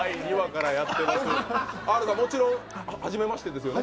もちろんはじめましてですよね？